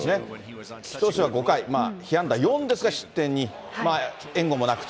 菊池投手は５回、被安打４ですが、失点２、援護もなくと。